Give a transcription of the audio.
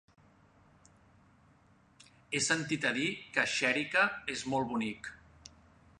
He sentit a dir que Xèrica és molt bonic.